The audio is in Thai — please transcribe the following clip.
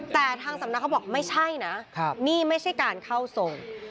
แต่ทางสำนักเขาบอกไม่ใช่นะนี่ไม่ใช่การเข้าทรง